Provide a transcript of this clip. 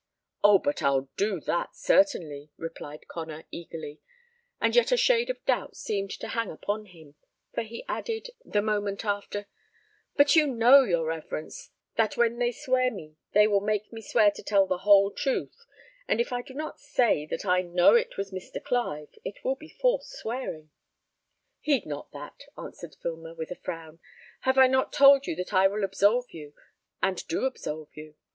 "Oh! but I'll do that, certainly," replied Connor, eagerly; and yet a shade of doubt seemed to hang upon him, for he added, the moment after, "But you know, your reverence, that when they swear me they will make me swear to tell the whole truth, and if I do not say that I know it was Mr. Clive, it will be false swearing." "Heed not that," answered Filmer, with a frown. "Have I not told you that I will absolve you, and do absolve you?